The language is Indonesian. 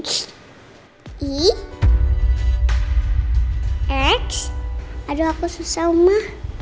h i x aduh aku susah uma